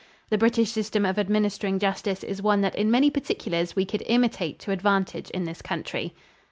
The British system of administering justice is one that in many particulars we could imitate to advantage in this country.